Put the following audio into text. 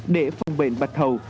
để phòng bệnh bạch hầu